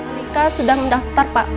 alika sudah mendaftar pak